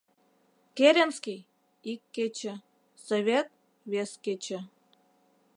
- Керенский — ик кече, Совет — вес кече!